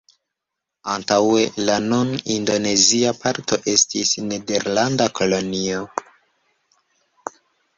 Antaŭe, la nun indonezia parto estis nederlanda kolonio.